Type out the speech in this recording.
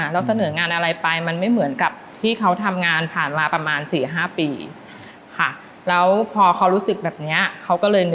เราเสนองานอะไรไปมันไม่เหมือนกับที่เขาทำงานผ่านมาประมาณ๔๕ปีค่ะ